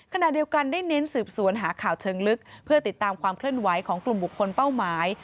ขณะเดียวกันได้เน้นสืบสวนหาข่าวเชิงลึกเพื่อติดตามความเคลื่อนไหวของกลุ่มบุคคลเป้าหมาย